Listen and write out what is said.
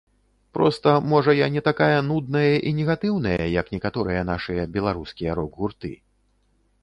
Проста, можа, я не такая нудная і негатыўная, як некаторыя нашыя беларускія рок-гурты.